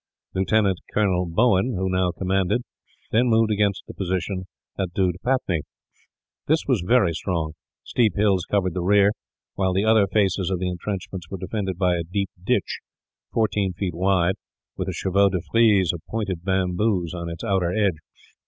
Lieutenant Colonel Bowen, who now commanded, then moved against the position at Doodpatnee. This was very strong. Steep hills covered the rear; while the other faces of the intrenchments were defended by a deep ditch, fourteen feet wide, with a chevaux de frise of pointed bamboos on its outer edge.